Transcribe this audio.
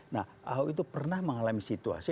nah ahok itu pernah mengalami situasi